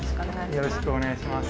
よろしくお願いします。